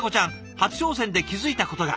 初挑戦で気付いたことが。